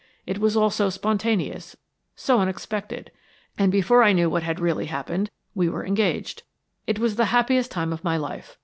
It was all so spontaneous, so unexpected and before I knew what had really happened, we were engaged. It was the happiest time of my life.